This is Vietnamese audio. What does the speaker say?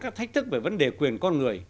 các thách thức về vấn đề quyền con người